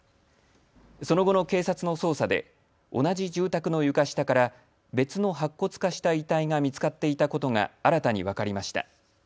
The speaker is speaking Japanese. その後の警察の捜査で同じ住宅の床下から別の白骨化した遺体が見つかっていたことが新たに分かりました。